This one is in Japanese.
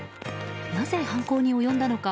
なぜ犯行に及んだのか。